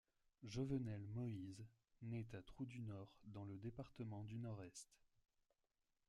Jovenel Moïse naît à Trou-du-Nord, dans le département du Nord-Est.